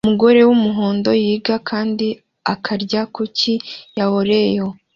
Umugore wumuhondo yiga kandi akarya kuki ya Oreo